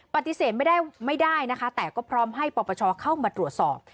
ปฏิเสธไม่ได้นะคะแต่ก็พร้อมให้ปปชเข้ามาตรวจสอบ